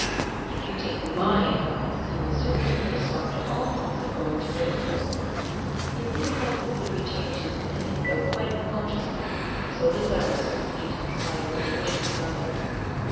If you take my advice, you will certainly put a stop to all thoughts of going to Liverpool." He really had completely changed his opinion, though quite unconsciously; so desirous was he to comply with the wishes of others.